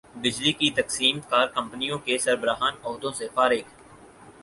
بجلی کی تقسیم کار کمپنیوں کے سربراہان عہدوں سے فارغ